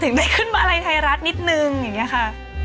ถึงได้ขึ้นมาลัยไทยรัฐนิดนึงอย่างนี้ค่ะ